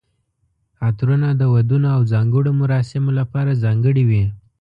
عطرونه د ودونو او ځانګړو مراسمو لپاره ځانګړي وي.